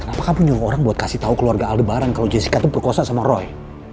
kenapa kamu nyungku orang buat kasih tahu keluarga aldebaran kalau jessica itu perkosa sama roy